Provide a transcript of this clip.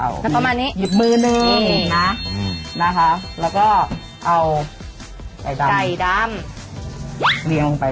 เรียงกลมลงไป